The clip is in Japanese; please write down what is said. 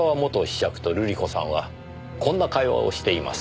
爵と瑠璃子さんはこんな会話をしています。